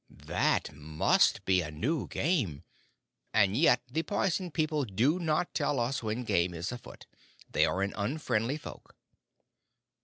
'" "That must be new game. And yet the Poison People do not tell us when game is afoot. They are an unfriendly folk."